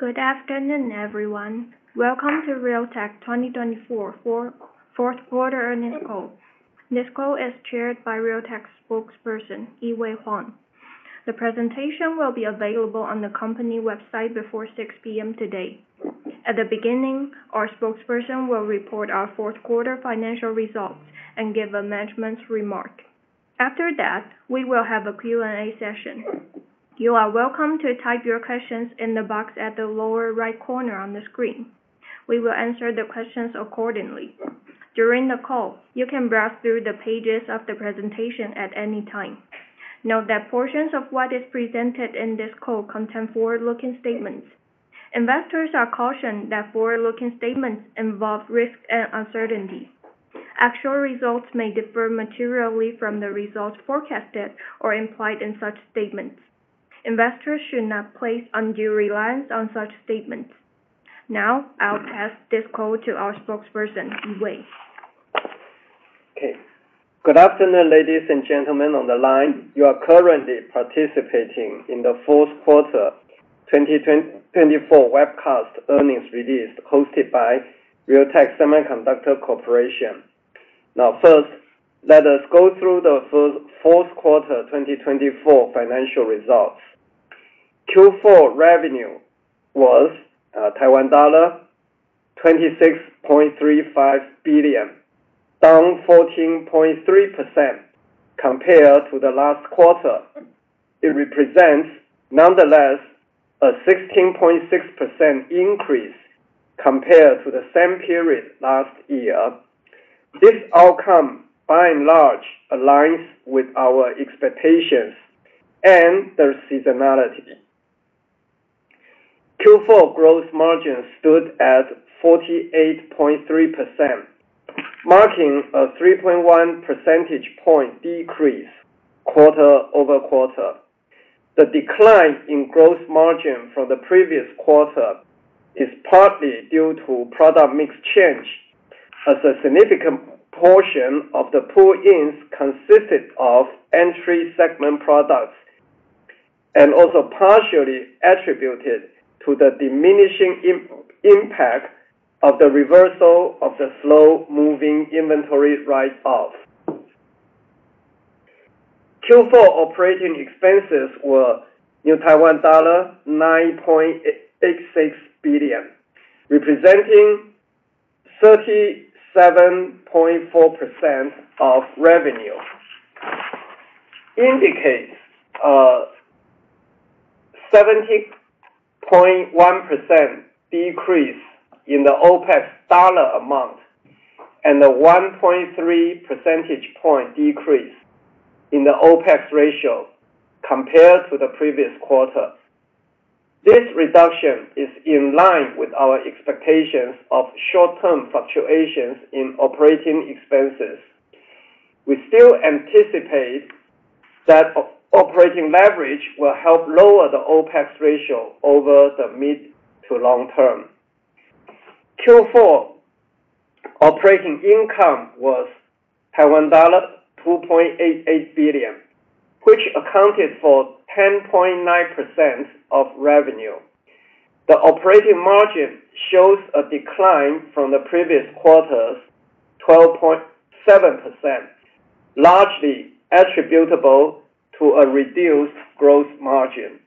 Good afternoon, everyone. Welcome to Realtek 2024 Q4 Earnings Call. This call is chaired by Realtek Spokesperson, Yee-Wei Huang. The presentation will be available on the company website before 6:00PM today. At the beginning, our spokesperson will report our Q4 financial results and give a management remark. After that, we will have a Q&A session. You are welcome to type your questions in the box at the lower right corner on the screen. We will answer the questions accordingly. During the call, you can browse through the pages of the presentation at any time. Note that portions of what is presented in this call contain forward-looking statements. Investors are cautioned that forward-looking statements involve risk and uncertainty. Actual results may differ materially from the results forecasted or implied in such statements. Investors should not place undue reliance on such statements. Now, I'll pass this call to our spokesperson, Yee-Wei. Okay. Good afternoon, ladies and gentlemen on the line. You are currently participating in the Q4 2024 webcast earnings release hosted by Realtek Semiconductor Corp. Now, first, let us go through the Q4 2024 financial results. Q4 revenue was Taiwan dollar 26.35 billion, down 14.3% compared to the last quarter. It represents, nonetheless, a 16.6% increase compared to the same period last year. This outcome, by and large, aligns with our expectations and their seasonality. Q4 gross margin stood at 48.3%, marking a 3.1 percentage point decrease quarter-over-quarter. The decline in gross margin from the previous quarter is partly due to product mix change, as a significant portion of the pull-ins consisted of entry-segment products and also partially attributed to the diminishing impact of the reversal of the slow-moving inventory write-off. Q4 operating expenses were Taiwan dollar 9.86 billion, representing 37.4% of revenue. It indicates a 70.1% decrease in the OpEx dollar amount and a 1.3 percentage point decrease in the OpEx ratio compared to the previous quarter. This reduction is in line with our expectations of short-term fluctuations in operating expenses. We still anticipate that operating leverage will help lower the OpEx ratio over the mid-to-long term. Q4 operating income was Taiwan dollar 2.88 billion, which accounted for 10.9% of revenue. The operating margin shows a decline from the previous quarter's 12.7%, largely attributable to a reduced gross margin.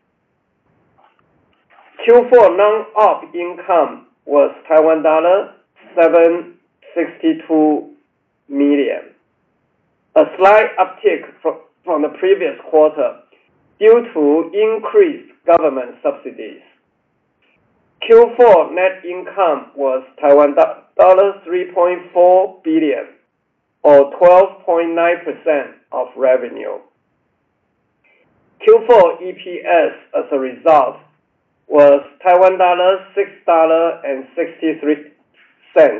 Q4 non-op income was Taiwan dollar 762 million, a slight uptick from the previous quarter due to increased government subsidies. Q4 net income was Taiwan dollar 3.4 billion, or 12.9% of revenue. Q4 EPS, as a result, was TWD 6.63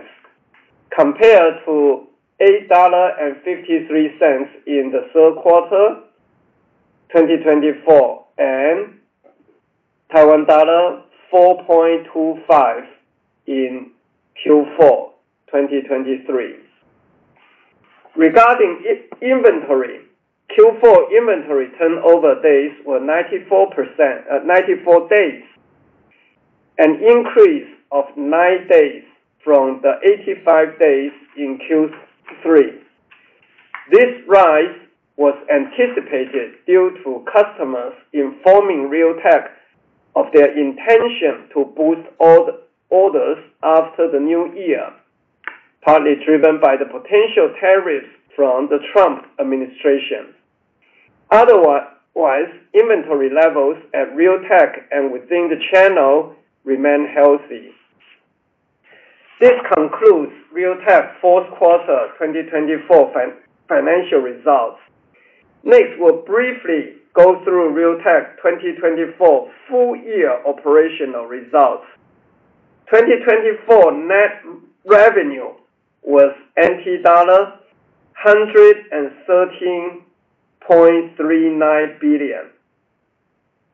compared to 8.53 in the Q3 2024 and TWD 4.25 in Q4 2023. Regarding inventory, Q4 inventory turnover days were 94 days, an increase of nine days from the 85 days in Q3. This rise was anticipated due to customers informing Realtek of their intention to boost orders after the new year, partly driven by the potential tariffs from the Trump administration. Otherwise, inventory levels at Realtek and within the channel remain healthy. This concludes Realtek Q4 2024 financial results. Next, we'll briefly go through Realtek 2024 full-year operational results. 2024 net revenue was TWD 113.39 billion,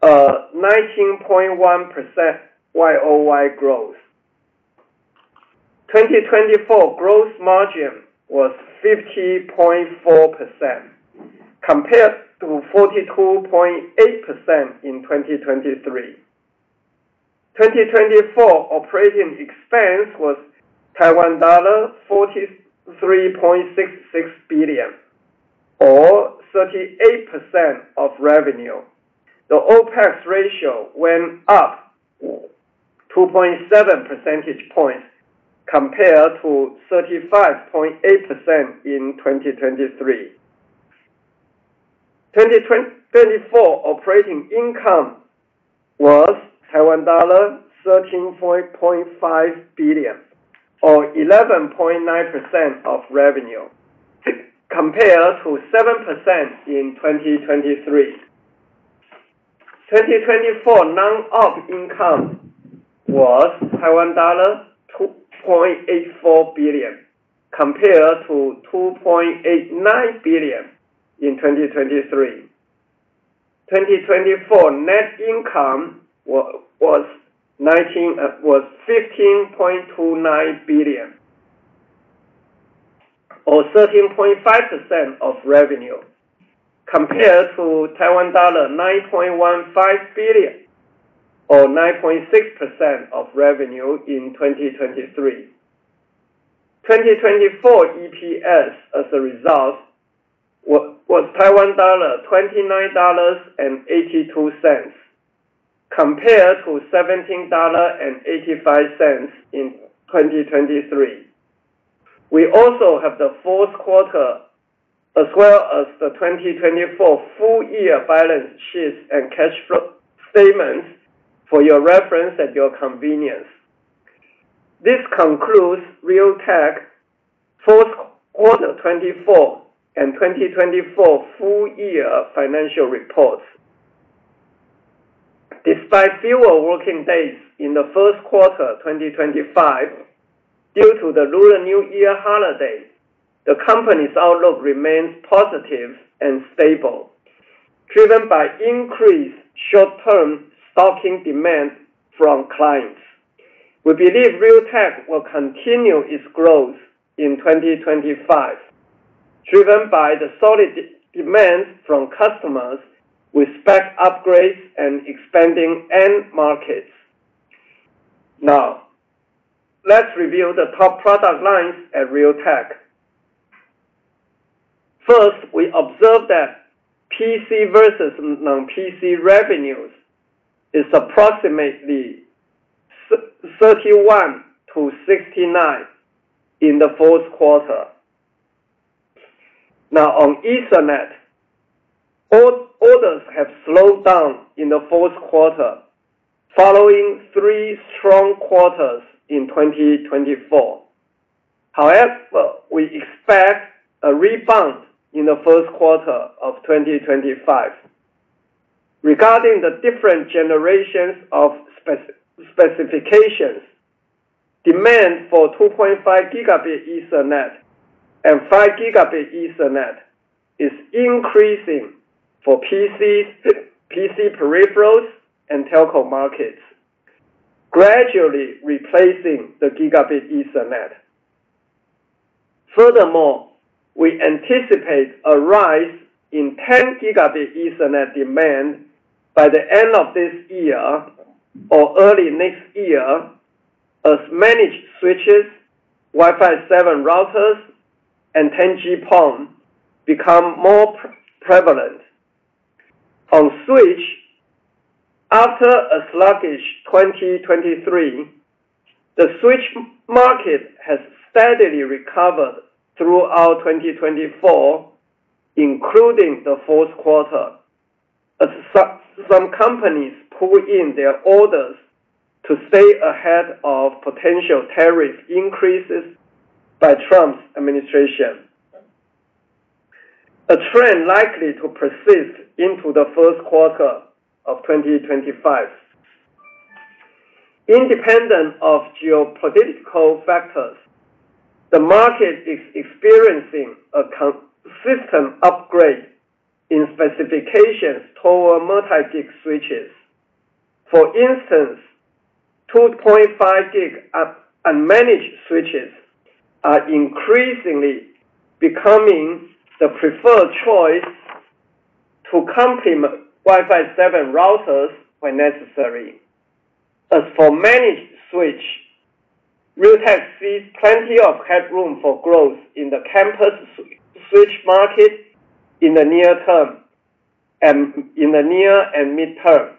a 19.1% YoY growth. 2024 gross margin was 50.4%, compared to 42.8% in 2023. 2024 operating expense was Taiwan dollar 43.66 billion, or 38% of revenue. The OpEx ratio went up 2.7 percentage points compared to 35.8% in 2023. 2024 operating income was Taiwan dollar 13.5 billion, or 11.9% of revenue, compared to 7% in 2023. 2024 non-op income was Taiwan dollar 2.84 billion, compared to 2.89 billion in 2023. 2024 net income was 15.29 billion, or 13.5% of revenue, compared to Taiwan dollar 9.15 billion, or 9.6% of revenue in 2023. 2024 EPS, as a result, was TWD 29.82, compared to 17.85 dollar in 2023. We also have the Q4, as well as the 2024 full-year balance sheets and cash flow statements for your reference and your convenience. This concludes Realtek Q4 2024 and 2024 full-year financial reports. Despite fewer working days in the Q1 2025 due to the Lunar New Year holiday, the company's outlook remains positive and stable, driven by increased short-term stocking demand from clients. We believe Realtek will continue its growth in 2025, driven by the solid demand from customers with spec upgrades and expanding end markets. Now, let's review the top product lines at Realtek. First, we observe that PC versus non-PC revenues is approximately 31/69 in the Q4. Now, on Ethernet, orders have slowed down in the Q4, following three strong quarters in 2024. However, we expect a rebound in the Q1 of 2025. Regarding the different generations of specifications, demand for 2.5 Gb Ethernet and 5 Gb Ethernet is increasing for PC peripherals and telco markets, gradually replacing the Gigabit Ethernet. Furthermore, we anticipate a rise in 10 Gb Ethernet demand by the end of this year or early next year, as managed switches, Wi-Fi 7 routers, and 10G PON become more prevalent. On switch, after a sluggish 2023, the switch market has steadily recovered throughout 2024, including the Q4, as some companies pull in their orders to stay ahead of potential tariff increases by Trump's administration, a trend likely to persist into the Q1 of 2025. Independent of geopolitical factors, the market is experiencing a consistent upgrade in specifications toward multi-gig switches. For instance, 2.5 Gb unmanaged switches are increasingly becoming the preferred choice to complement Wi-Fi 7 routers when necessary. As for managed switch, Realtek sees plenty of headroom for growth in the campus switch market in the near term and in the near and mid term,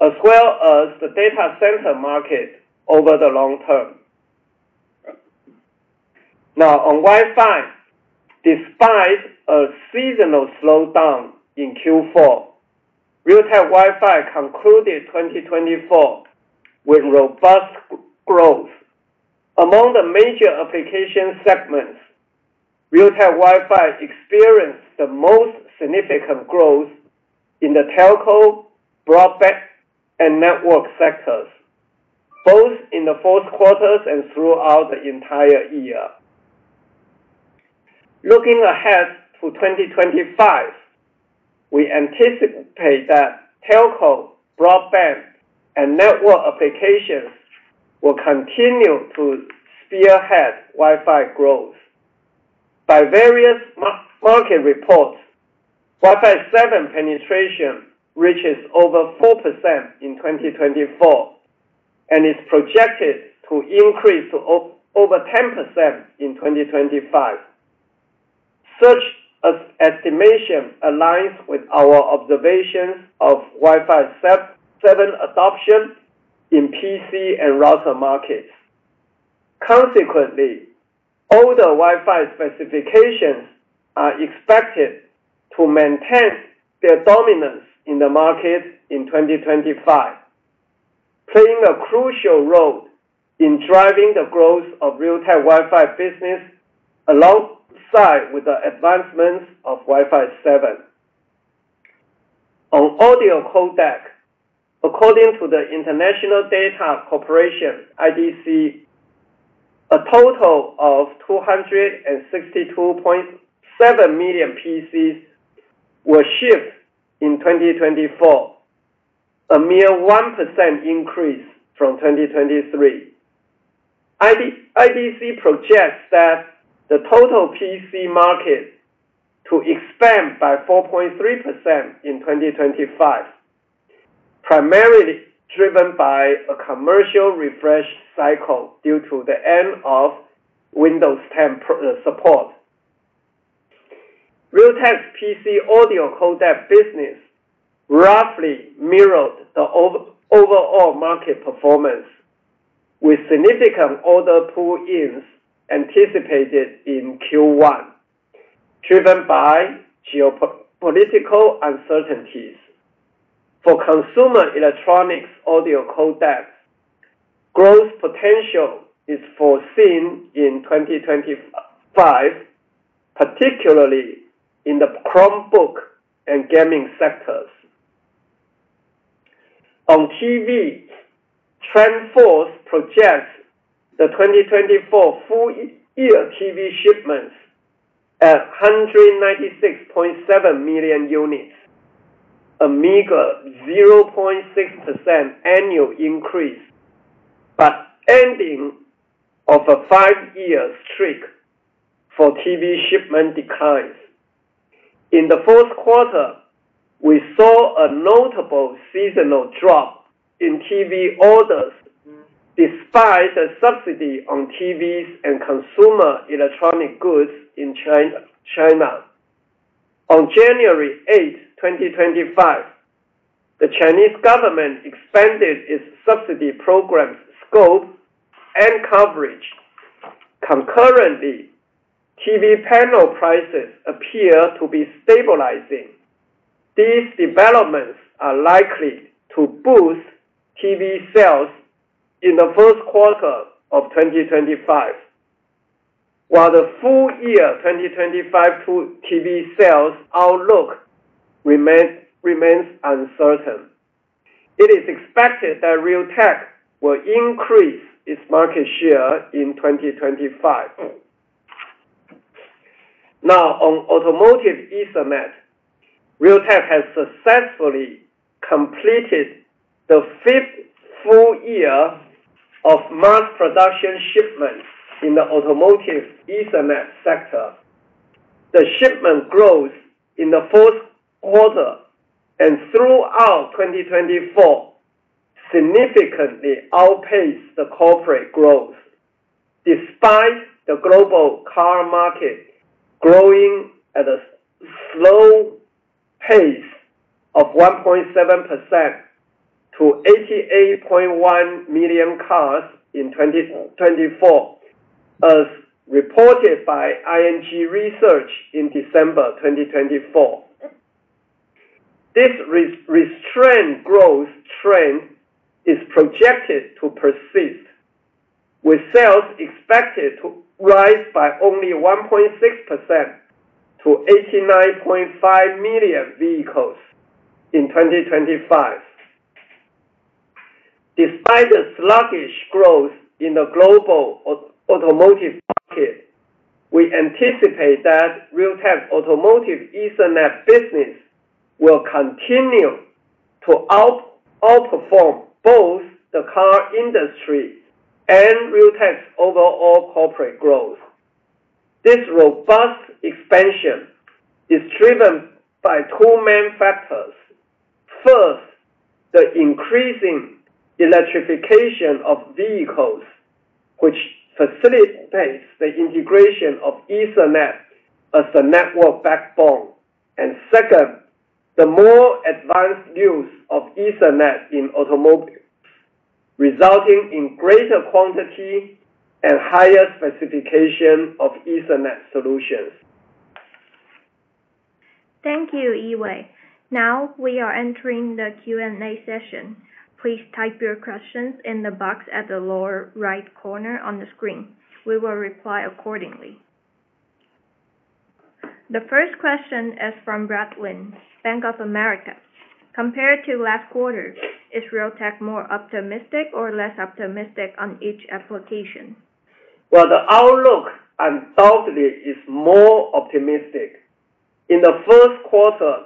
as well as the data center market over the long term. Now, on Wi-Fi, despite a seasonal slowdown in Q4, Realtek Wi-Fi concluded 2024 with robust growth. Among the major application segments, Realtek Wi-Fi experienced the most significant growth in the telco, broadband, and network sectors, both in the Q4 and throughout the entire year. Looking ahead to 2025, we anticipate that telco, broadband, and network applications will continue to spearhead Wi-Fi growth. By various market reports, Wi-Fi 7 penetration reaches over 4% in 2024 and is projected to increase to over 10% in 2025. Such estimation aligns with our observations of Wi-Fi 7 adoption in PC and router markets. Consequently, older Wi-Fi specifications are expected to maintain their dominance in the market in 2025, playing a crucial role in driving the growth of Realtek Wi-Fi business alongside the advancements of Wi-Fi 7. On audio codec, according to the International Data Corporation (IDC), a total of 262.7 million PCs were shipped in 2024, a mere 1% increase from 2023. IDC projects that the total PC market to expand by 4.3% in 2025, primarily driven by a commercial refresh cycle due to the end of Windows 10 support. Realtek's PC audio codec business roughly mirrored the overall market performance, with significant order pull-ins anticipated in Q1, driven by geopolitical uncertainties. For consumer electronics audio codec, growth potential is foreseen in 2025, particularly in the Chromebook and gaming sectors. On TV, TrendForce projects the 2024 full-year TV shipments at 196.7 million units, a meager 0.6% annual increase, but ending of a five-year streak for TV shipment declines. In the Q4, we saw a notable seasonal drop in TV orders despite the subsidy on TVs and consumer electronic goods in China. On 8 January 2025, the Chinese government expanded its subsidy program's scope and coverage. Concurrently, TV panel prices appear to be stabilizing. These developments are likely to boost TV sales in the Q1 of 2025, while the full-year 2025 TV sales outlook remains uncertain. It is expected that Realtek will increase its market share in 2025. Now, on automotive Ethernet, Realtek has successfully completed the fifth full year of mass production shipment in the automotive Ethernet sector. The shipment growth in the Q4 and throughout 2024 significantly outpaced the corporate growth, despite the global car market growing at a slow pace of 1.7% to 88.1 million cars in 2024, as reported by ING Research in December 2024. This restrained growth trend is projected to persist, with sales expected to rise by only 1.6% to 89.5 million vehicles in 2025. Despite the sluggish growth in the global automotive market, we anticipate that Realtek's automotive Ethernet business will continue to outperform both the car industry and Realtek's overall corporate growth. This robust expansion is driven by two main factors. First, the increasing electrification of vehicles, which facilitates the integration of Ethernet as a network backbone, and second, the more advanced use of Ethernet in automobiles, resulting in greater quantity and higher specification of Ethernet solutions. Thank you, Yee-Wei. Now, we are entering the Q&A session. Please type your questions in the box at the lower right corner on the screen. We will reply accordingly. The first question is from Brad Lin, Bank of America. Compared to last quarter, is Realtek more optimistic or less optimistic on each application? Well, the outlook undoubtedly is more optimistic. In the Q1,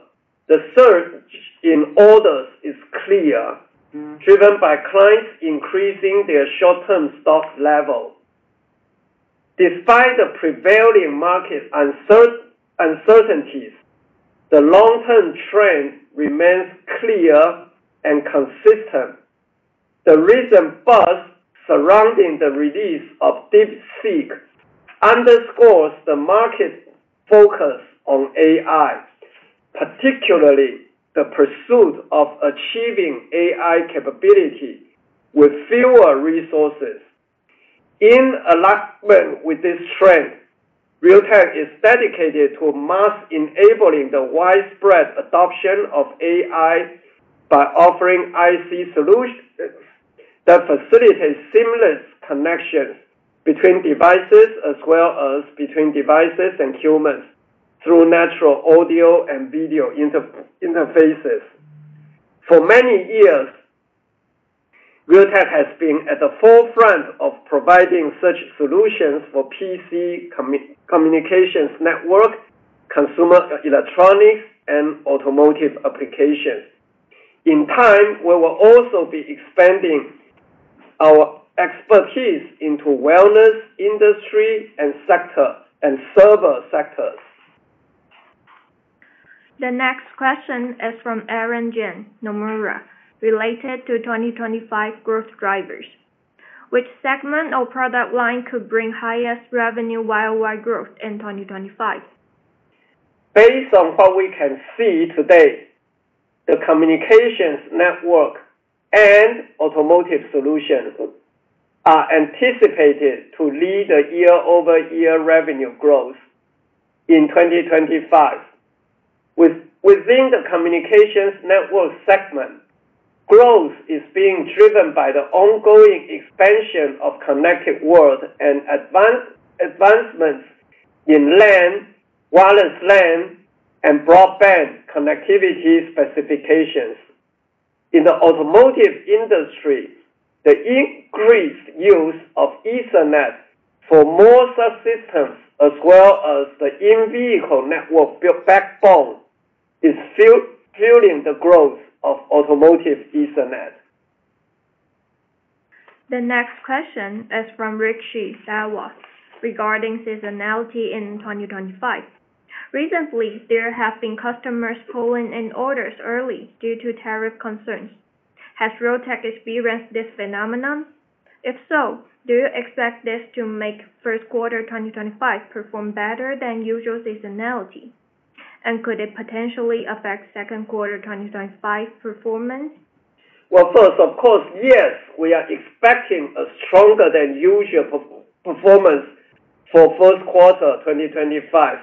the surge in orders is clear, driven by clients increasing their short-term stock level. Despite the prevailing market uncertainties, the long-term trend remains clear and consistent. The recent buzz surrounding the release of DeepSeek underscores the market's focus on AI, particularly the pursuit of achieving AI capability with fewer resources. In alignment with this trend, Realtek is dedicated to mass-enabling the widespread adoption of AI by offering IC solutions that facilitate seamless connections between devices, as well as between devices and humans, through natural audio and video interfaces. For many years, Realtek has been at the forefront of providing such solutions for PC communications network, consumer electronics, and automotive applications. In time, we will also be expanding our expertise into wellness industry and server sectors. The next question is from Aaron Jeng, Nomura, related to 2025 growth drivers. Which segment or product line could bring highest revenue-wide growth in 2025? Based on what we can see today, the communications network and automotive solutions are anticipated to lead the year-over-year revenue growth in 2025. Within the communications network segment, growth is being driven by the ongoing expansion of connected world and advancements in LAN, wireless LAN, and broadband connectivity specifications. In the automotive industry, the increased use of Ethernet for more subsystems, as well as the in-vehicle network backbone, is fueling the growth of automotive Ethernet. The next question is from Rick Hsu, regarding seasonality in 2025. Recently, there have been customers pulling in orders early due to tariff concerns. Has Realtek experienced this phenomenon? If so, do you expect this to make Q1 2025 perform better than usual seasonality? And could it potentially affect Q2 2025 performance? First, of course, yes. We are expecting a stronger-than-usual performance for Q1 2025,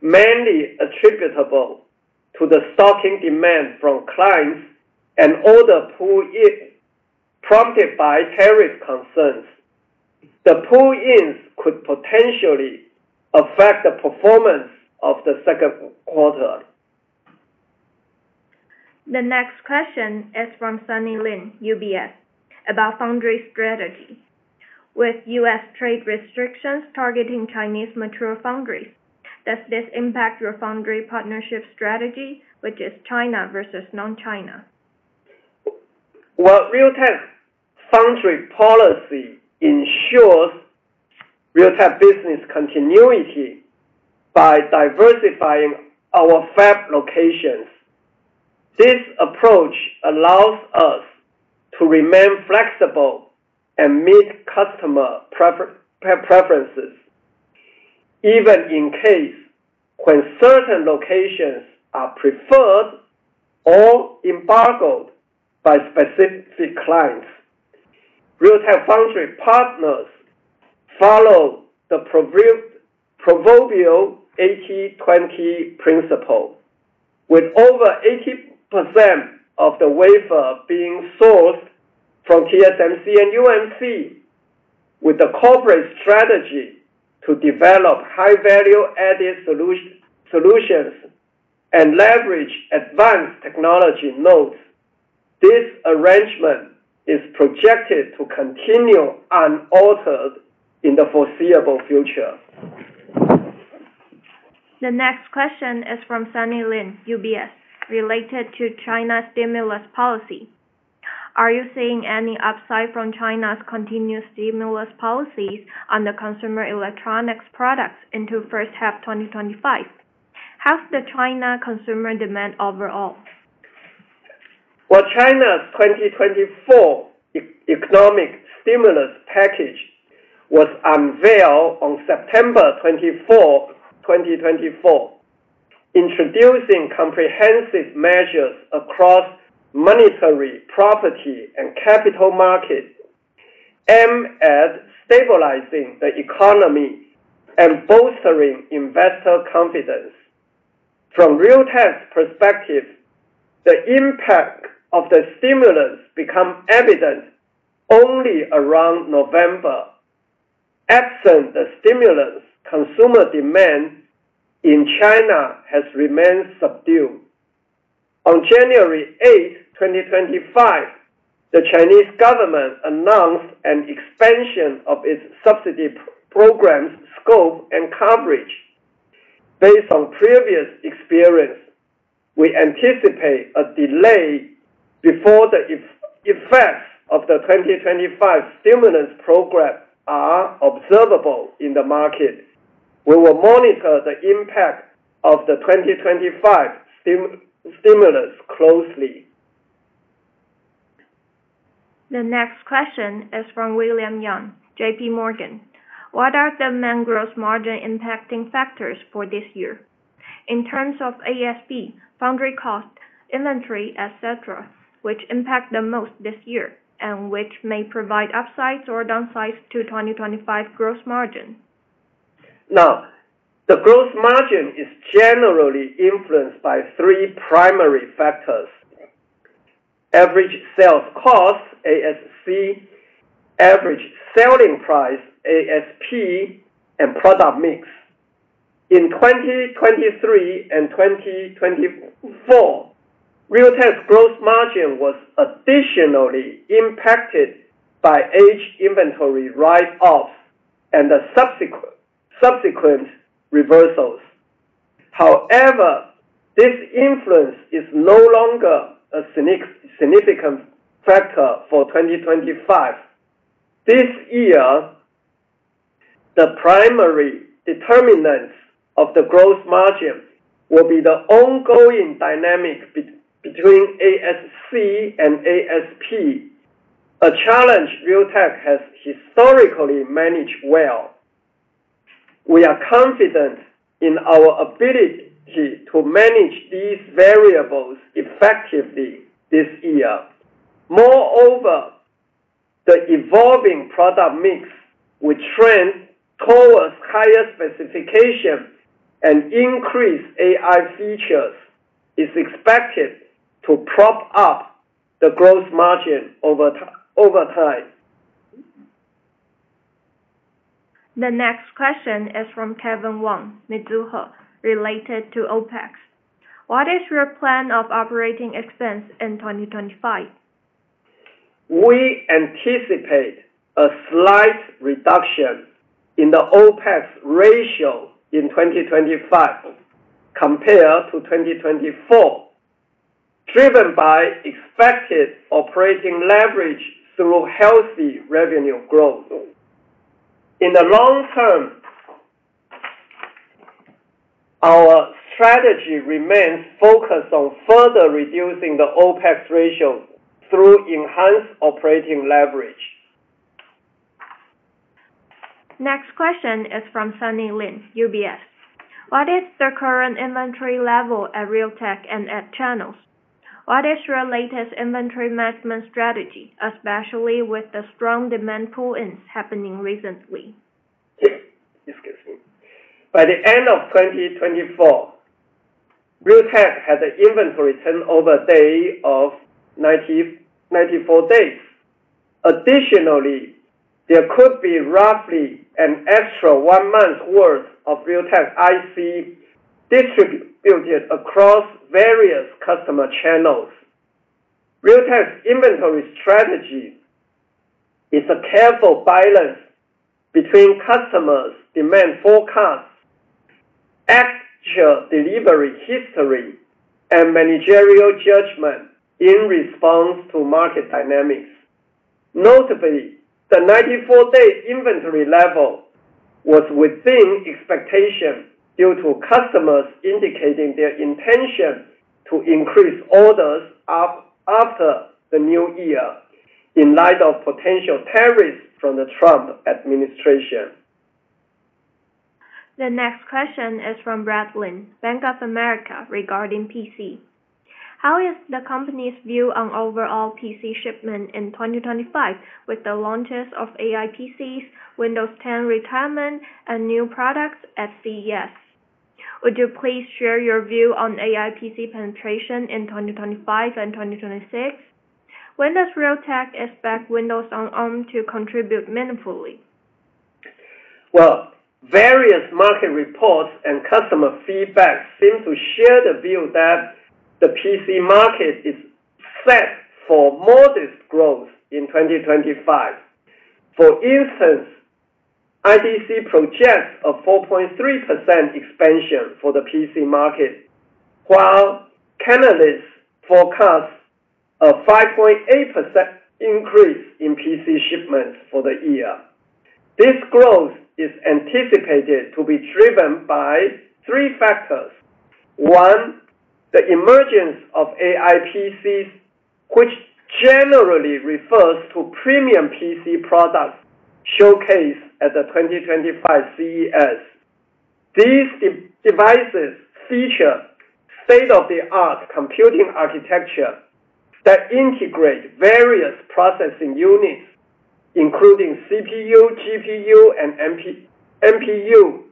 mainly attributable to the stocking demand from clients and order pull-ins prompted by tariff concerns. The pull-ins could potentially affect the performance of the Q2. The next question is from Sunny Lin, UBS, about foundry strategy. With US trade restrictions targeting Chinese material foundries, does this impact your foundry partnership strategy, which is China versus non-China? Well, Realtek's foundry policy ensures Realtek business continuity by diversifying our fab locations. This approach allows us to remain flexible and meet customer preferences, even in cases when certain locations are preferred or embargoed by specific clients. Realtek foundry partners follow the proverbial 80/20 principle, with over 80% of the wafer being sourced from TSMC and UMC, with the corporate strategy to develop high-value-added solutions and leverage advanced technology nodes. This arrangement is projected to continue unaltered in the foreseeable future. The next question is from Sunny Lin, UBS, related to China's stimulus policy. Are you seeing any upside from China's continued stimulus policies on the consumer electronics products into first half 2025? How's the China consumer demand overall? China's 2024 economic stimulus package was unveiled on 24 September 2024, introducing comprehensive measures across monetary property and capital markets, aimed at stabilizing the economy and bolstering investor confidence. From Realtek's perspective, the impact of the stimulus became evident only around November. Absent the stimulus, consumer demand in China has remained subdued. On 8 January 2025, the Chinese government announced an expansion of its subsidy program's scope and coverage. Based on previous experience, we anticipate a delay before the effects of the 2025 stimulus program are observable in the market. We will monitor the impact of the 2025 stimulus closely. The next question is from William Yang, J.P. Morgan. What are the main gross margin impacting factors for this year? In terms of ASP, foundry cost, inventory, etc., which impact the most this year and which may provide upsides or downsides to 2025 gross margin? Now, the gross margin is generally influenced by three primary factors: average sales cost, ASC, average selling price, ASP, and product mix. In 2023 and 2024, Realtek's gross margin was additionally impacted by aged inventory write-offs and the subsequent reversals. However, this influence is no longer a significant factor for 2025. This year, the primary determinants of the gross margin will be the ongoing dynamic between ASC and ASP, a challenge Realtek has historically managed well. We are confident in our ability to manage these variables effectively this year. Moreover, the evolving product mix, which trends towards higher specification and increased AI features, is expected to prop up the gross margin over time. The next question is from Kevin Wang, Mizuho, related to OpEx. What is your plan of operating expense in 2025? We anticipate a slight reduction in the OpEx ratio in 2025 compared to 2024, driven by expected operating leverage through healthy revenue growth. In the long term, our strategy remains focused on further reducing the OpEx ratio through enhanced operating leverage. Next question is from Sunny Lin, UBS. What is the current inventory level at Realtek and at channels? What is your latest inventory management strategy, especially with the strong demand pull-ins happening recently? By the end of 2024, Realtek had an inventory turnover day of 94 days. Additionally, there could be roughly an extra one month's worth of Realtek IC distributed across various customer channels. Realtek's inventory strategy is a careful balance between customers' demand forecasts, actual delivery history, and managerial judgment in response to market dynamics. Notably, the 94-day inventory level was within expectation due to customers indicating their intention to increase orders after the new year in light of potential tariffs from the Trump administration. The next question is from Brad Lin, Bank of America, regarding PC. How is the company's view on overall PC shipment in 2025 with the launches of AI PCs, Windows 10 retirement, and new products at CES? Would you please share your view on AI PC penetration in 2025 and 2026? When does Realtek expect Windows on Arm to contribute meaningfully? Well, various market reports and customer feedback seem to share the view that the PC market is set for modest growth in 2025. For instance, IDC projects a 4.3% expansion for the PC market, while Canalys forecasts a 5.8% increase in PC shipments for the year. This growth is anticipated to be driven by three factors. One, the emergence of AI PCs, which generally refers to premium PC products showcased at the 2025 CES. These devices feature state-of-the-art computing architecture that integrates various processing units, including CPU, GPU, and NPU,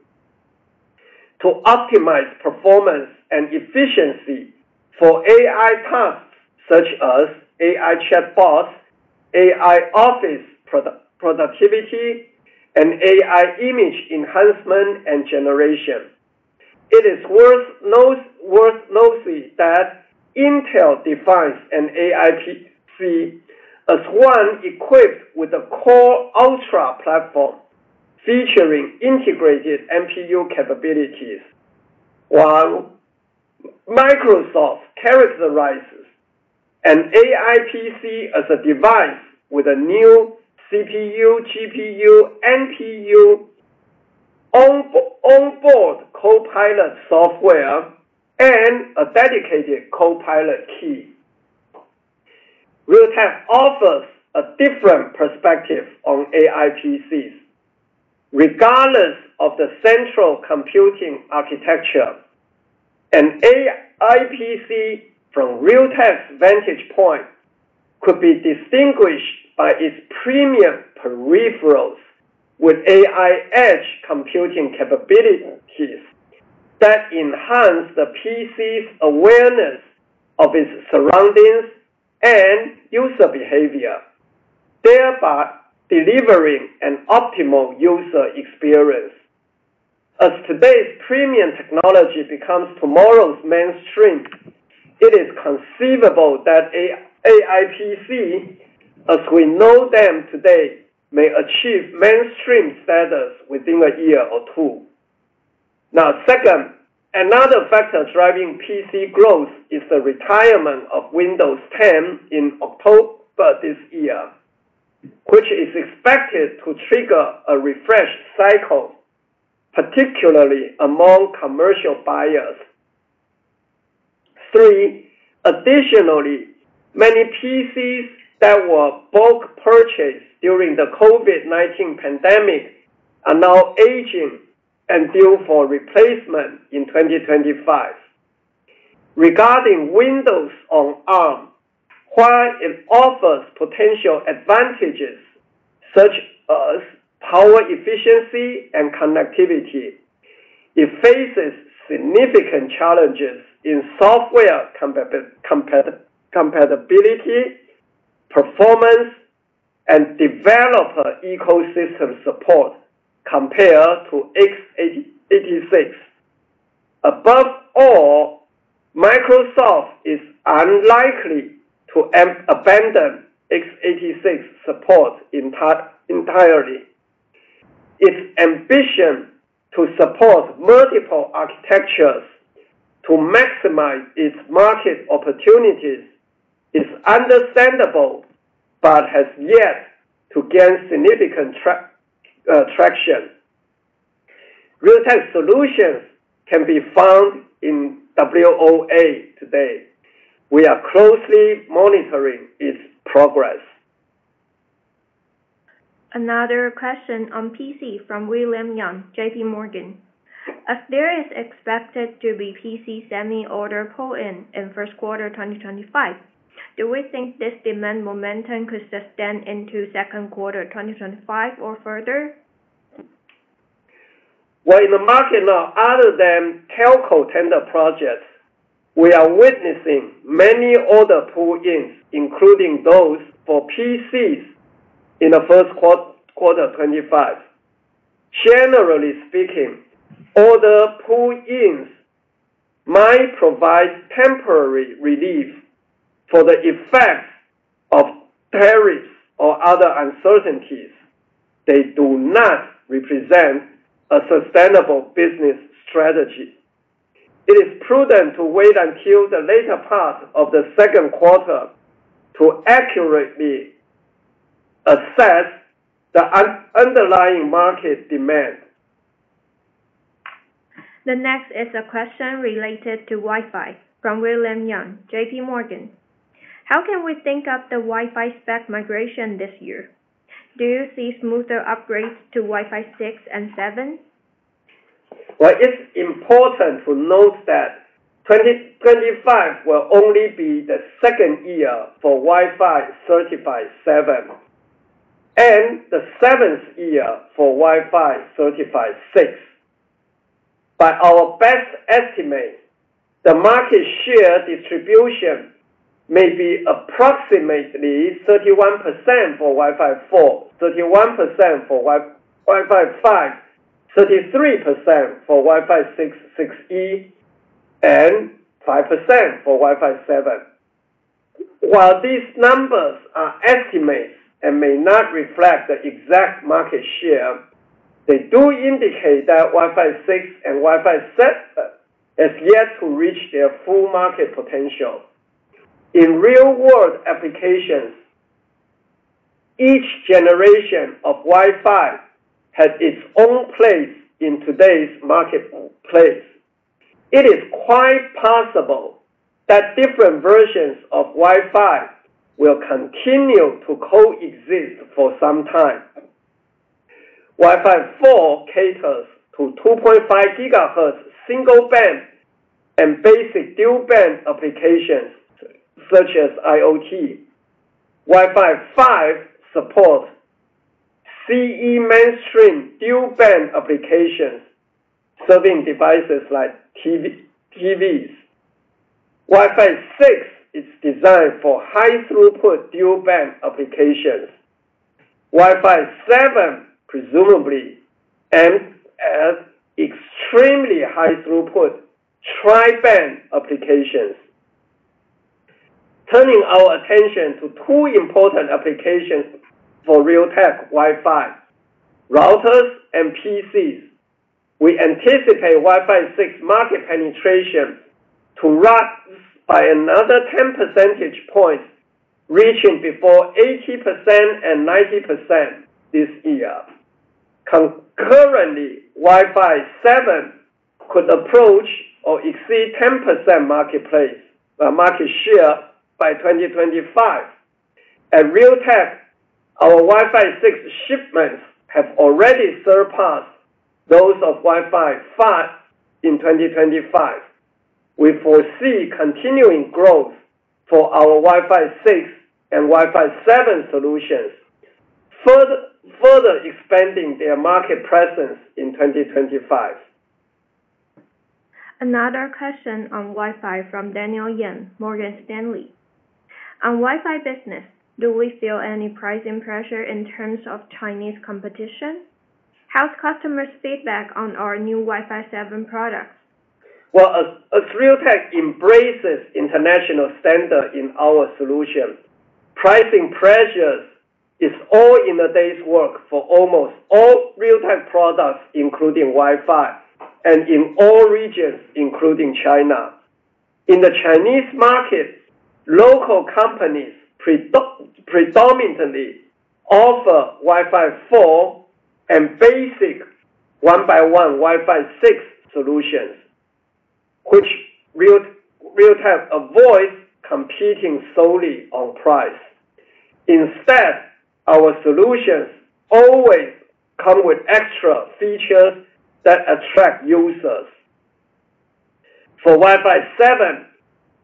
to optimize performance and efficiency for AI tasks such as AI chatbots, AI office productivity, and AI image enhancement and generation. It is worth noting that Intel defines an AI PC as one equipped with a Core Ultra platform featuring integrated NPU capabilities, while Microsoft characterizes an AI PC as a device with a new CPU, GPU, NPU, onboard Copilot software, and a dedicated Copilot key. Realtek offers a different perspective on AI PCs. Regardless of the central computing architecture, an AI PC from Realtek's vantage point could be distinguished by its premium peripherals with AI edge computing capabilities that enhance the PC's awareness of its surroundings and user behavior, thereby delivering an optimal user experience. As today's premium technology becomes tomorrow's mainstream, it is conceivable that AI PCs, as we know them today, may achieve mainstream status within a year or two. Now, second, another factor driving PC growth is the retirement of Windows 10 in October this year, which is expected to trigger a refresh cycle, particularly among commercial buyers. Three, additionally, many PCs that were bulk purchased during the COVID-19 pandemic are now aging and due for replacement in 2025. Regarding Windows on Arm, while it offers potential advantages such as power efficiency and connectivity, it faces significant challenges in software compatibility, performance, and developer ecosystem support compared to x86. Above all, Microsoft is unlikely to abandon x86 support entirely. Its ambition to support multiple architectures to maximize its market opportunities is understandable but has yet to gain significant traction. Realtek's solutions can be found in WOA today. We are closely monitoring its progress. Another question on PC from William Yang, J.P. Morgan. If there is expected to be PC semi-order pull-in in Q1 2025, do we think this demand momentum could sustain into Q2 2025 or further? Well, in the market now, other than telco tender projects, we are witnessing many order pull-ins, including those for PCs in the Q1 2025. Generally speaking, order pull-ins might provide temporary relief for the effects of tariffs or other uncertainties. They do not represent a sustainable business strategy. It is prudent to wait until the later part of the Q2 to accurately assess the underlying market demand. The next is a question related to Wi-Fi from William Yang, J.P. Morgan. How can we think of the Wi-Fi spec migration this year? Do you see smoother upgrades to Wi-Fi 6 and 7? It’s important to note that 2025 will only be the second year for Wi-Fi certified 7 and the seventh year for Wi-Fi certified 6. By our best estimate, the market share distribution may be approximately 31% for Wi-Fi 4, 31% for Wi-Fi 5, 33% for Wi-Fi 6E, and 5% for Wi-Fi 7. While these numbers are estimates and may not reflect the exact market share, they do indicate that Wi-Fi 6 and Wi-Fi 7 have yet to reach their full market potential. In real-world applications, each generation of Wi-Fi has its own place in today’s marketplace. It is quite possible that different versions of Wi-Fi will continue to coexist for some time. Wi-Fi 4 caters to 2.5 GHz single band and basic dual band applications such as IoT. Wi-Fi 5 supports CE mainstream dual band applications serving devices like TVs. Wi-Fi 6 is designed for high-throughput dual band applications. Wi-Fi 7, presumably, aims at extremely high-throughput tri-band applications. Turning our attention to two important applications for Realtek Wi-Fi: routers and PCs. We anticipate Wi-Fi 6 market penetration to rise by another 10 percentage points, reaching before 80% and 90% this year. Concurrently, Wi-Fi 7 could approach or exceed 10% market share by 2025. At Realtek, our Wi-Fi 6 shipments have already surpassed those of Wi-Fi 5 in 2025. We foresee continuing growth for our Wi-Fi 6 and Wi-Fi 7 solutions, further expanding their market presence in 2025. Another question on Wi-Fi from Daniel Yen, Morgan Stanley. On Wi-Fi business, do we feel any pricing pressure in terms of Chinese competition? How's customers' feedback on our new Wi-Fi 7 products? As Realtek embraces international standards in our solution, pricing pressures are all in a day's work for almost all Realtek products, including Wi-Fi, and in all regions, including China. In the Chinese market, local companies predominantly offer Wi-Fi 4 and basic 1x1 Wi-Fi 6 solutions, which Realtek avoids competing solely on price. Instead, our solutions always come with extra features that attract users. For Wi-Fi 7,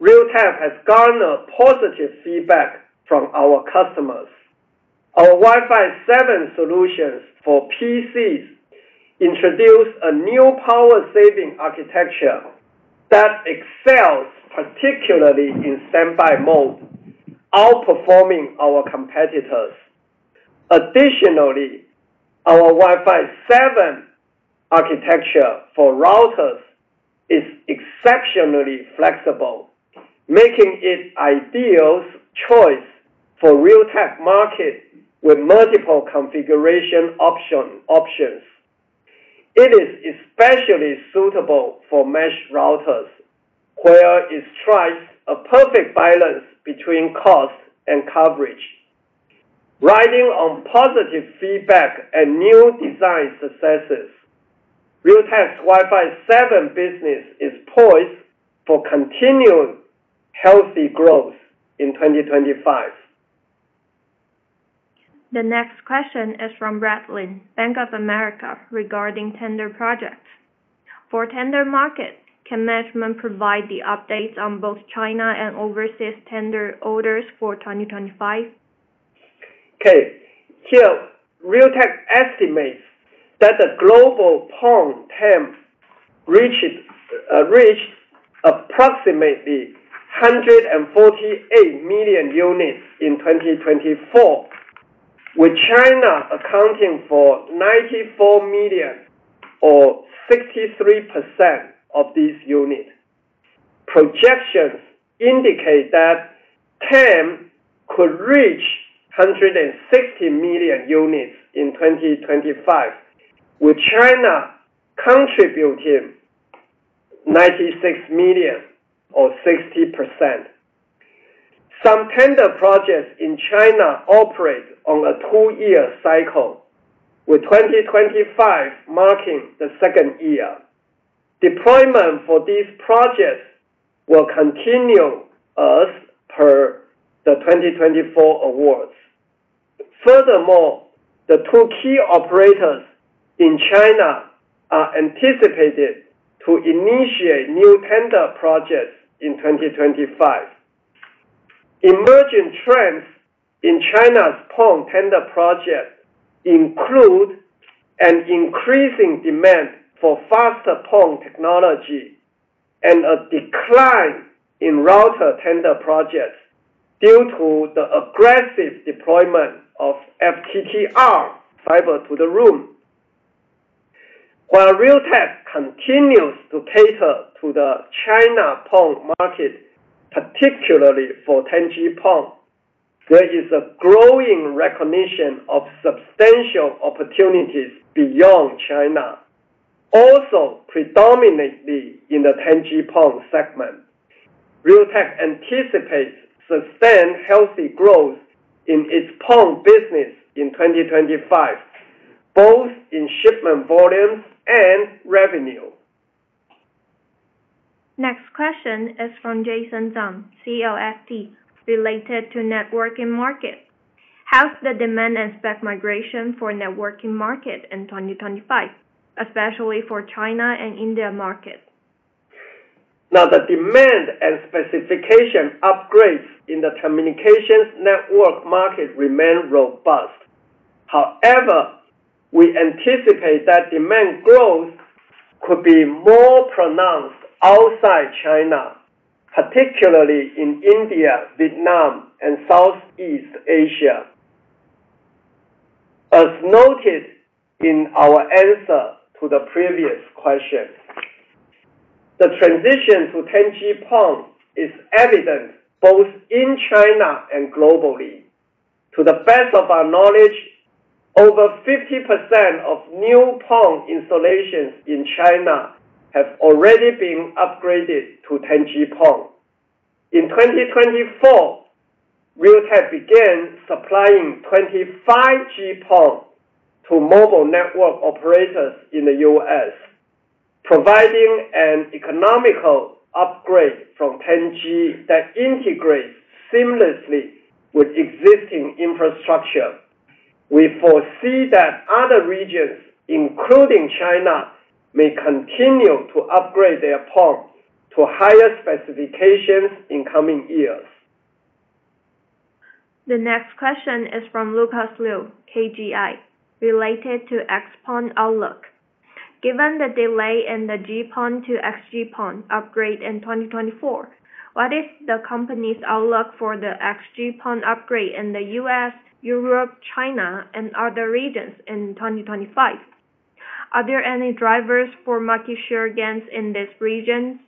Realtek has garnered positive feedback from our customers. Our Wi-Fi 7 solutions for PCs introduce a new power-saving architecture that excels particularly in standby mode, outperforming our competitors. Additionally, our Wi-Fi 7 architecture for routers is exceptionally flexible, making it an ideal choice for the retail market with multiple configuration options. It is especially suitable for mesh routers, where it strikes a perfect balance between cost and coverage. Riding on positive feedback and new design successes, Realtek's Wi-Fi 7 business is poised for continued healthy growth in 2025. The next question is from Brad Lin, Bank of America, regarding tender projects. For tender markets, can management provide the updates on both China and overseas tender orders for 2025? Okay. Realtek estimates that the global 10G PON reached approximately 148 million units in 2024, with China accounting for 94 million or 63% of these units. Projections indicate that 10G PON could reach 160 million units in 2025, with China contributing 96 million or 60%. Some tender projects in China operate on a two-year cycle, with 2025 marking the second year. Deployment for these projects will continue as per the 2024 awards. Furthermore, the two key operators in China are anticipated to initiate new tender projects in 2025. Emerging trends in China's PON tender projects include an increasing demand for faster PON technology and a decline in router tender projects due to the aggressive deployment of FTTR fiber to the room. While Realtek continues to cater to the China PON market, particularly for 10G PON, there is a growing recognition of substantial opportunities beyond China, also predominantly in the 10G PON segment. Realtek anticipates sustained healthy growth in its PON business in 2025, both in shipment volumes and revenue. Next question is from Jason Zhang, CLSA, related to networking market. How's the demand and spec migration for networking market in 2025, especially for China and India markets? Now, the demand and specification upgrades in the communications network market remain robust. However, we anticipate that demand growth could be more pronounced outside China, particularly in India, Vietnam, and Southeast Asia. As noted in our answer to the previous question, the transition to 10G PON is evident both in China and globally. To the best of our knowledge, over 50% of new PON installations in China have already been upgraded to 10G PON. In 2024, Realtek began supplying 25G PON to mobile network operators in the US, providing an economical upgrade from 10G that integrates seamlessly with existing infrastructure. We foresee that other regions, including China, may continue to upgrade their PON to higher specifications in coming years. The next question is from Luke Lin, KGI, related to XG-PON outlook. Given the delay in the GPON to XG-PON upgrade in 2024, what is the company's outlook for the XG-PON upgrade in the US, Europe, China, and other regions in 2025? Are there any drivers for market share gains in these regions?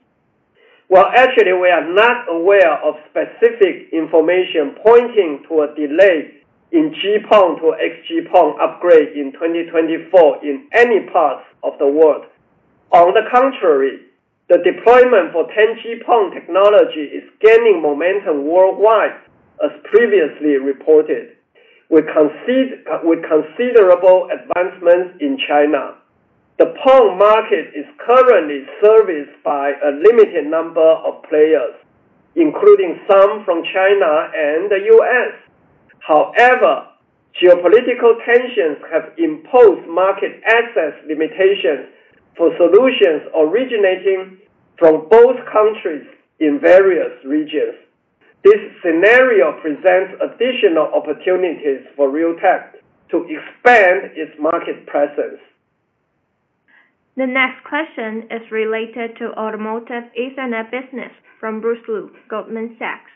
Actually, we are not aware of specific information pointing to a delay in GPON to XG-PON upgrade in 2024 in any part of the world. On the contrary, the deployment for 10G PON technology is gaining momentum worldwide, as previously reported, with considerable advancements in China. The PON market is currently serviced by a limited number of players, including some from China and the US. However, geopolitical tensions have imposed market access limitations for solutions originating from both countries in various regions. This scenario presents additional opportunities for Realtek to expand its market presence. The next question is related to automotive Ethernet business from Bruce Lu, Goldman Sachs.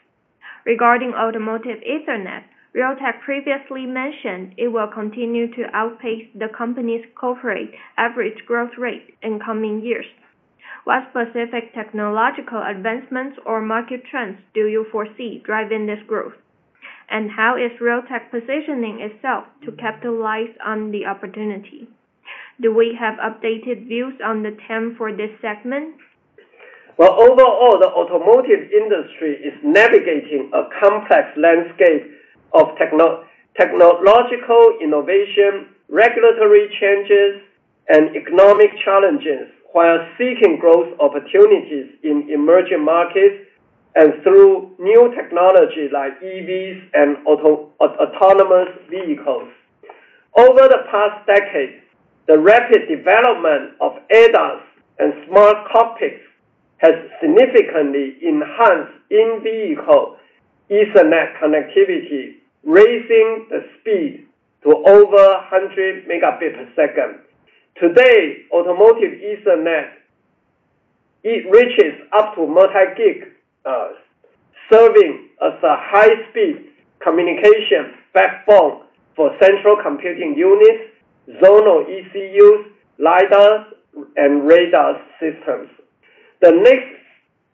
Regarding automotive Ethernet, Realtek previously mentioned it will continue to outpace the company's corporate average growth rate in coming years. What specific technological advancements or market trends do you foresee driving this growth? And how is Realtek positioning itself to capitalize on the opportunity? Do we have updated views on the trend for this segment? Overall, the automotive industry is navigating a complex landscape of technological innovation, regulatory changes, and economic challenges while seeking growth opportunities in emerging markets and through new technology like EVs and autonomous vehicles. Over the past decade, the rapid development of ADAS and smart cockpits has significantly enhanced in-vehicle Ethernet connectivity, raising the speed to over 100 Mbps. Today, automotive Ethernet reaches up to multi-gig, serving as a high-speed communication backbone for central computing units, zonal ECUs, LiDARs, and radar systems. The next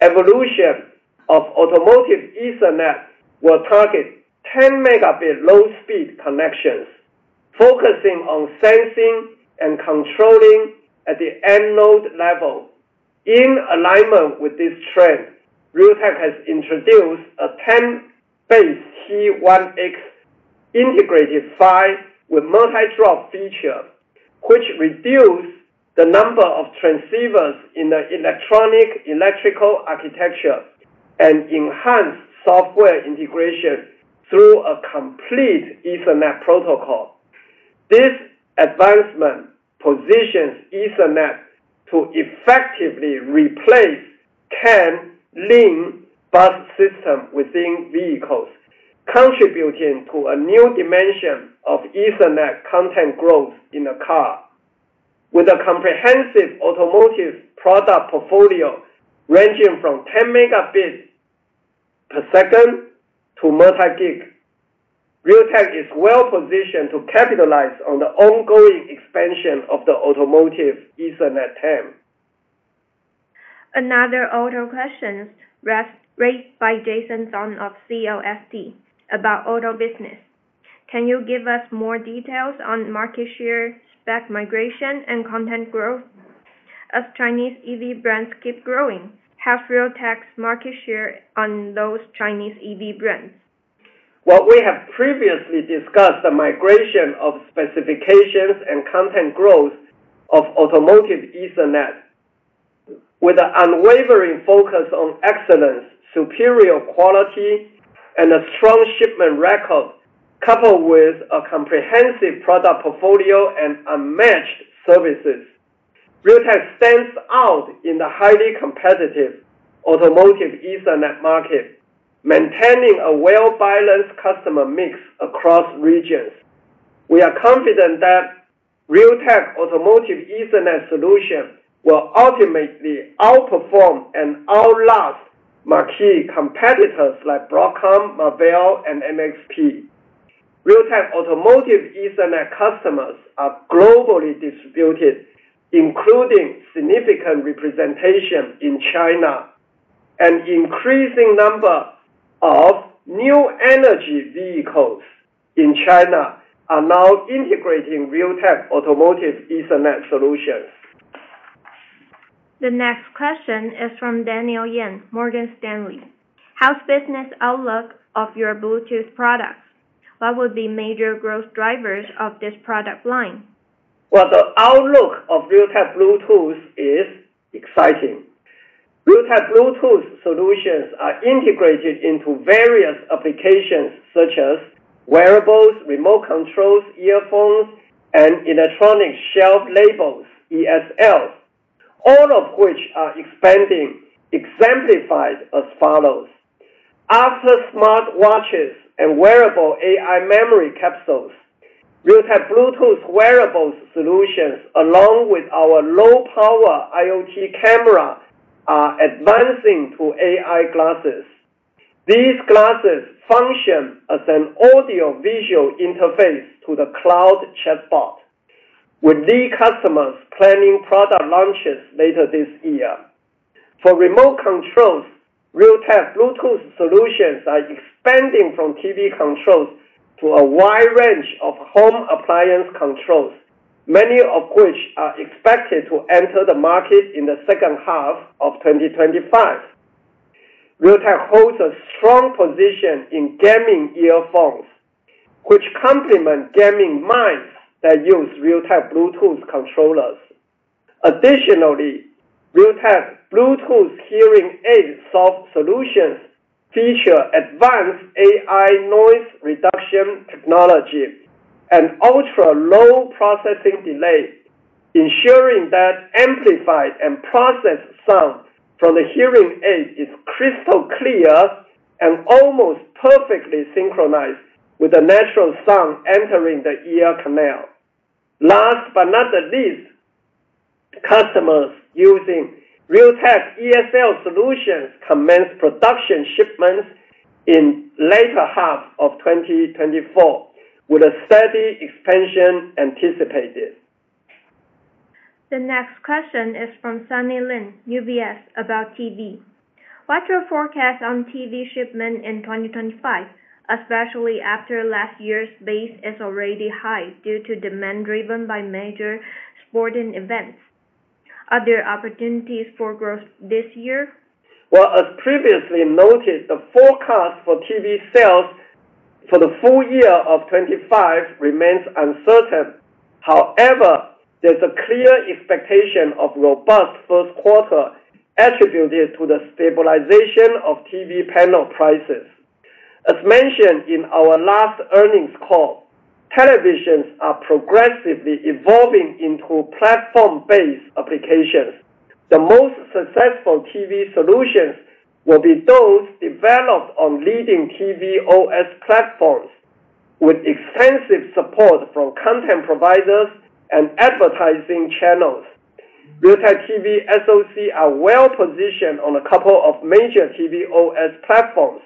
evolution of automotive Ethernet will target 10 Mbps low-speed connections, focusing on sensing and controlling at the end node level. In alignment with this trend, Realtek has introduced a 10BASE-T1S integrated fiber with multi-drop feature, which reduces the number of transceivers in the electronic electrical architecture and enhances software integration through a complete Ethernet protocol. This advancement positions Ethernet to effectively replace CAN-LIN bus systems within vehicles, contributing to a new dimension of Ethernet content growth in the car. With a comprehensive automotive product portfolio ranging from 10 Mbps to multi-gig, Realtek is well positioned to capitalize on the ongoing expansion of the automotive Ethernet 10. Another auto question raised by Jason Zhang of CLSA about auto business. Can you give us more details on market share, spec migration, and content growth? As Chinese EV brands keep growing, how's Realtek's market share on those Chinese EV brands? We have previously discussed the migration of specifications and content growth of automotive Ethernet. With an unwavering focus on excellence, superior quality, and a strong shipment record, coupled with a comprehensive product portfolio and unmatched services, Realtek stands out in the highly competitive automotive Ethernet market, maintaining a well-balanced customer mix across regions. We are confident that Realtek's automotive Ethernet solution will ultimately outperform and outlast marquee competitors like Broadcom, Marvell, and NXP. Realtek's automotive Ethernet customers are globally distributed, including significant representation in China. An increasing number of new energy vehicles in China are now integrating Realtek's automotive Ethernet solutions. The next question is from Daniel Yen, Morgan Stanley. How's the business outlook of your Bluetooth products? What will be major growth drivers of this product line? The outlook of Realtek Bluetooth is exciting. Realtek Bluetooth solutions are integrated into various applications such as wearables, remote controls, earphones, and electronic shelf labels (ESL), all of which are expanding, exemplified as follows. After smartwatches and wearable AI memory capsules, Realtek Bluetooth wearables solutions, along with our low-power IoT camera, are advancing to AI glasses. These glasses function as an audio-visual interface to the cloud chatbot, with lead customers planning product launches later this year. For remote controls, Realtek Bluetooth solutions are expanding from TV controls to a wide range of home appliance controls, many of which are expected to enter the market in the second half of 2025. Realtek holds a strong position in gaming earphones, which complement gaming mice that use Realtek Bluetooth controllers. Additionally, Realtek's Bluetooth hearing aid soft solutions feature advanced AI noise reduction technology and ultra-low processing delay, ensuring that amplified and processed sound from the hearing aid is crystal clear and almost perfectly synchronized with the natural sound entering the ear canal. Last but not the least, customers using Realtek ESL solutions commence production shipments in the latter half of 2024, with a steady expansion anticipated. The next question is from Sunny Lin, UBS, about TV. What's your forecast on TV shipment in 2025, especially after last year's base is already high due to demand driven by major sporting events? Are there opportunities for growth this year? As previously noted, the forecast for TV sales for the full year of 2025 remains uncertain. However, there's a clear expectation of robust Q1 attributed to the stabilization of TV panel prices. As mentioned in our last earnings call, televisions are progressively evolving into platform-based applications. The most successful TV solutions will be those developed on leading TV OS platforms, with extensive support from content providers and advertising channels. Realtek TV SoC are well positioned on a couple of major TV OS platforms.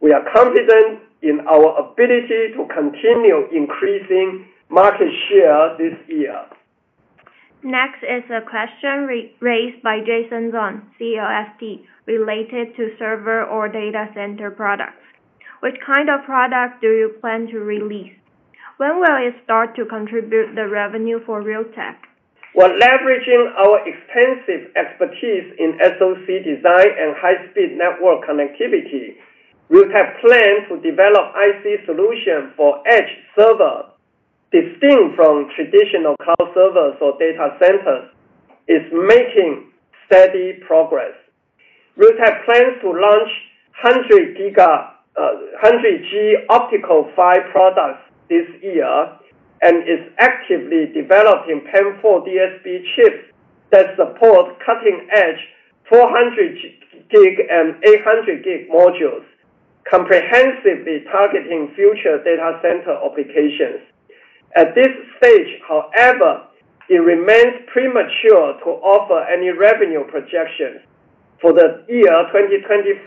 We are confident in our ability to continue increasing market share this year. Next is a question raised by Jason Zhang of CLSA, related to server or data center products. What kind of product do you plan to release? When will it start to contribute the revenue for Realtek? Well, leveraging our extensive expertise in SoC design and high-speed network connectivity, Realtek plans to develop IC solutions for edge servers, distinct from traditional cloud servers or data centers. It's making steady progress. Realtek plans to launch 100G optical fiber products this year and is actively developing PAM4 DSP chips that support cutting-edge 400G and 800G modules, comprehensively targeting future data center applications. At this stage, however, it remains premature to offer any revenue projections. For the year 2025,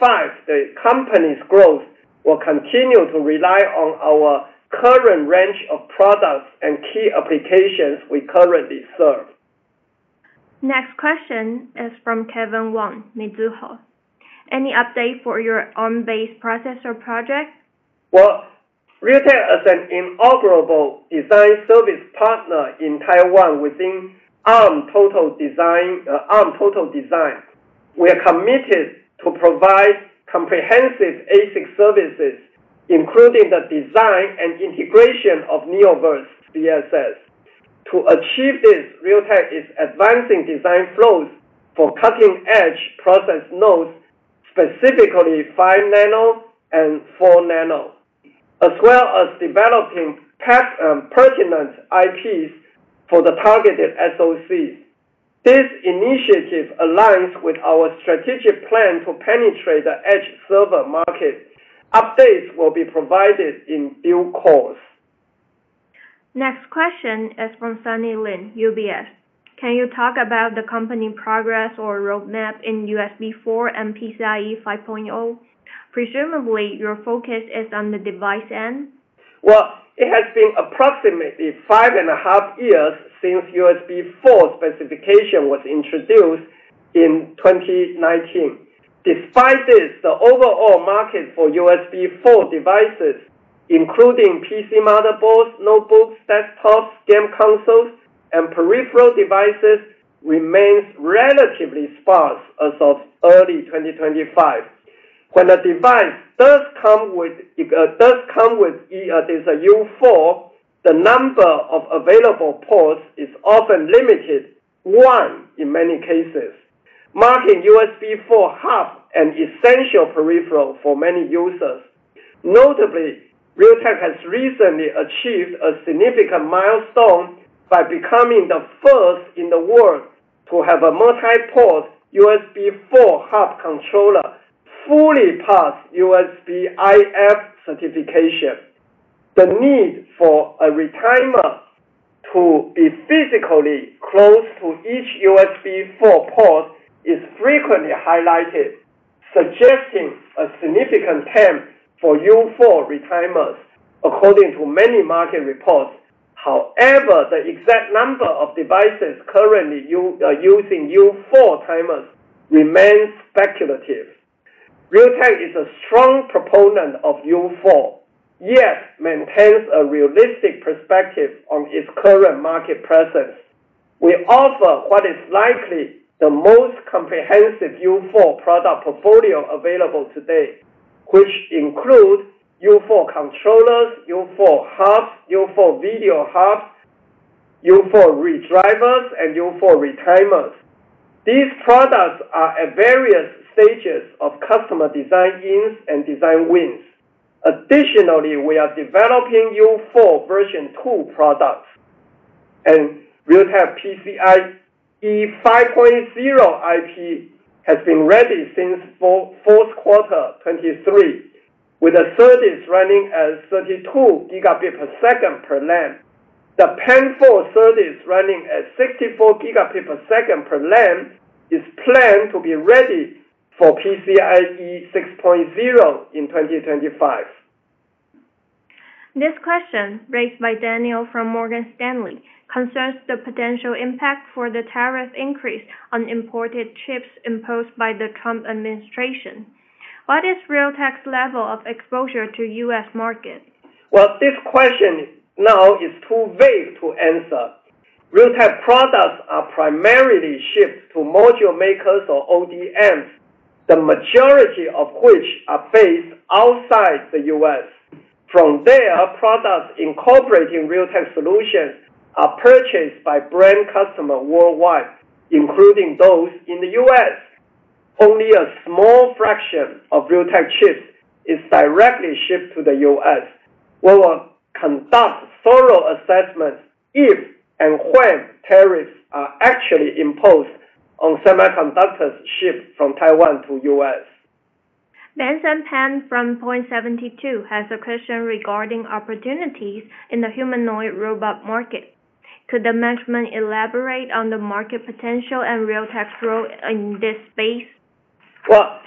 the company's growth will continue to rely on our current range of products and key applications we currently serve. Next question is from Kevin Wang, Mizuho. Any update for your Arm-based processor project? Well, Realtek is an inaugural design service partner in Taiwan within Arm Total Design. We are committed to provide comprehensive ASIC services, including the design and integration of Neoverse CSS. To achieve this, Realtek is advancing design flows for cutting-edge process nodes, specifically 5 nano and 4 nano, as well as developing pertinent IPs for the targeted SOCs. This initiative aligns with our strategic plan to penetrate the edge server market. Updates will be provided in due course. Next question is from Sunny Lin, UBS. Can you talk about the company progress or roadmap in USB4 and PCIe 5.0? Presumably, your focus is on the device end. It has been approximately five and a half years since USB4 specification was introduced in 2019. Despite this, the overall market for USB4 devices, including PC motherboards, notebooks, desktops, game consoles, and peripheral devices, remains relatively sparse as of early 2025. When a device does come with this USB4, the number of available ports is often limited, one in many cases, making USB4 hub and essential peripheral for many users. Notably, Realtek has recently achieved a significant milestone by becoming the first in the world to have a multi-port USB4 hub controller fully pass USB-IF certification. The need for a retimer to be physically close to each USB4 port is frequently highlighted, suggesting a significant TAM for USB4 retimers, according to many market reports. However, the exact number of devices currently using USB4 retimers remains speculative. Realtek is a strong proponent of USB4, yet maintains a realistic perspective on its current market presence. We offer what is likely the most comprehensive USB4 product portfolio available today, which includes USB4 controllers, USB4 hubs, USB4 video hubs, USB4 redrivers, and USB4 retimers. These products are at various stages of customer design-ins and design wins. Additionally, we are developing USB4 Version 2 products, and Realtek PCIe 5.0 IP has been ready since Q4 2023, with a SerDes running at 32 Gbps per LAN. The PAM4 service running at 64 Gbps per LAN is planned to be ready for PCIe 6.0 in 2025. This question raised by Daniel Yen from Morgan Stanley concerns the potential impact for the tariff increase on imported chips imposed by the Trump administration. What is Realtek's level of exposure to US market? Well, this question now is too vague to answer. Realtek products are primarily shipped to module makers or ODMs, the majority of which are based outside the US. From there, products incorporating Realtek solutions are purchased by brand customers worldwide, including those in the US. Only a small fraction of Realtek chips is directly shipped to the US. We will conduct thorough assessments if and when tariffs are actually imposed on semiconductors shipped from Taiwan to the US. Benson Pan from Point72 has a question regarding opportunities in the humanoid robot market. Could the management elaborate on the market potential and Realtek's role in this space? Well,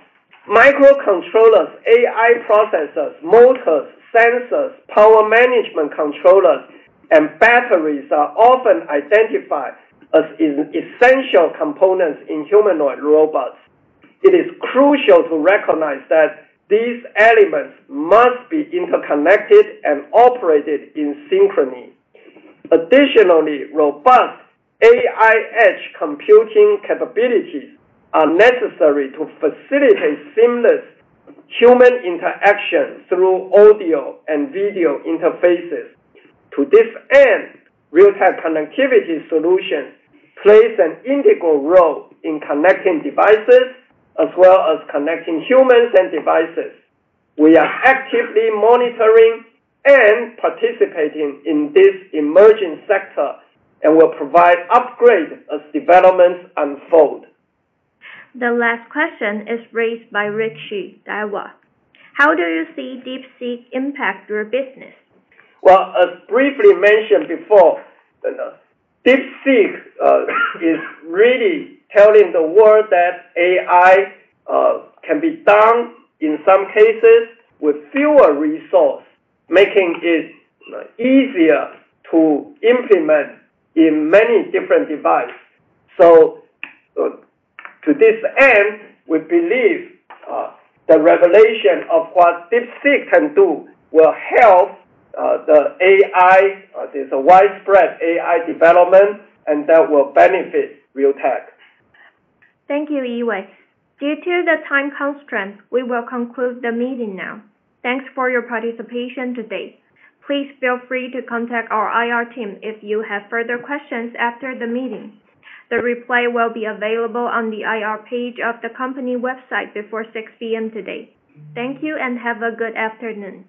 microcontrollers, AI processors, motors, sensors, power management controllers, and batteries are often identified as essential components in humanoid robots. It is crucial to recognize that these elements must be interconnected and operated in synchrony. Additionally, robust AI edge computing capabilities are necessary to facilitate seamless human interaction through audio and video interfaces. To this end, Realtek connectivity solutions play an integral role in connecting devices as well as connecting humans and devices. We are actively monitoring and participating in this emerging sector and will provide upgrades as developments unfold. The last question is raised by Rick Hsu, Daiwa. How do you see DeepSeek impact your business? Well, as briefly mentioned before, DeepSeek is really telling the world that AI can be done in some cases with fewer resources, making it easier to implement in many different devices. So to this end, we believe the revelation of what DeepSeek can do will help the AI. There's a widespread AI development, and that will benefit Realtek. Thank you, Yee-Wei Huang. Due to the time constraints, we will conclude the meeting now. Thanks for your participation today. Please feel free to contact our IR team if you have further questions after the meeting. The replay will be available on the IR page of the company website before 6:00PM today. Thank you and have a good afternoon.